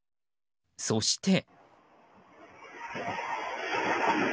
そして。